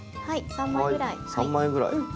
３枚ぐらい。